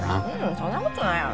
そんなことないやろ？